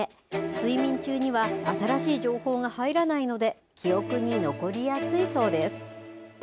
睡眠中には新しい情報が入らないので、記憶に残りやすいそうです。